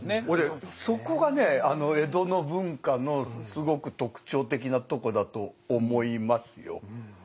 俺そこがね江戸の文化のすごく特徴的なとこだと思いますよ。